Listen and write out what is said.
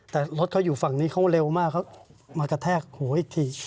แต่รถเขาอยู่ฝั่งนี้เขาเร็วมากเขามากระแทกหูอีกที